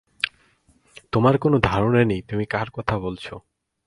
আমার কোন ধারণা নেই তুমি কার কথা বলছ।